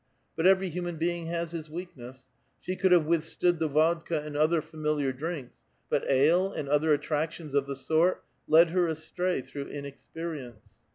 But every human being has his weakness ; she could have witlistood the vodka and other familiar drinks, but ale and other attractions of the sort led her astray through inexperience.